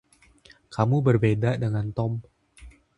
Kamu berbeda dengan Tom.